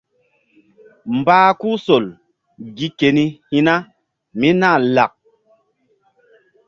Mbah kuhsol gi keni hi̧na mí nah lak.